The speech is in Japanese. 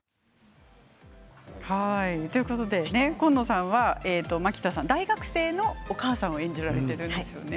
紺野さんは蒔田さん、大学生のお母さんを演じられているんですね。